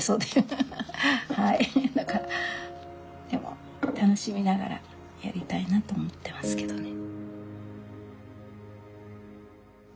でも楽しみながらやりたいなと思ってますけどね。